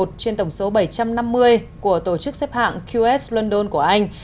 bảy trăm linh một trên tổng số bảy trăm năm mươi của tổ chức xếp hạng qs london của anh